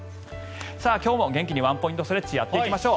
今日も元気にワンポイントストレッチやっていきましょう。